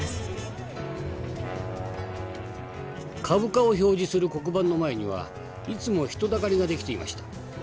「株価を表示する黒板の前にはいつも人だかりが出来ていました。